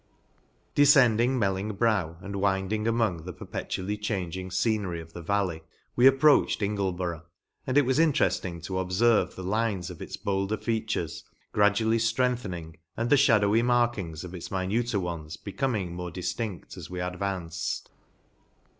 Defcending Melling brow, and winding among the perpetually changing fcenery of the valley, we approached Jngleborough; and it was interefting to obferve the lines of its bolder features gradually ftrengthen ing, and the fhadowy markings of its mi nuter ones becoming more diftincl:, as we advanced.